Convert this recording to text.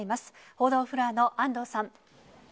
報道フロアの安藤さん。